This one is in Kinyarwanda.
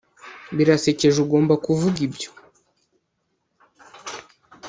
birasekeje ugomba kuvuga ibyo